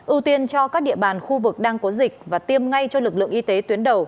ưu tiên cho các địa bàn khu vực đang có dịch và tiêm ngay cho lực lượng y tế tuyến đầu